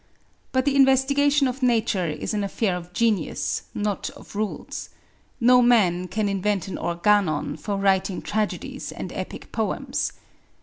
But the investigation of Nature is an affair of genius, not of rules. No man can invent an organon for writing tragedies and epic poems.